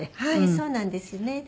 はいそうなんですよね。